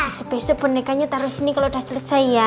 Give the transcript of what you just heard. besok besok bonekanya taruh di sini kalau udah selesai ya